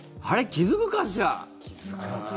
気付くかしら。